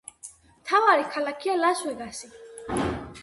მთავარი ქალაქია ლას-ვეგასი.